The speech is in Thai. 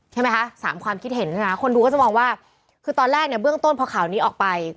ใช่ไหมคะสามความคิดเห็นใช่ไหมคนดูก็จะมองว่าคือตอนแรกเนี่ยเบื้องต้นพอข่าวนี้ออกไป